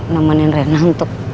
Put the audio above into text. nemenin rena untuk